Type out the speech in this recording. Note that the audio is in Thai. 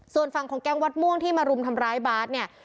ส่วนฝั่งของแก๊งวัดม่วงที่มารุมทำร้ายบาสเนี่ย